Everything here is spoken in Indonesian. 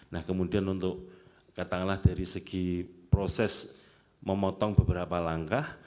nah kemudian untuk katakanlah dari segi proses memotong beberapa langkah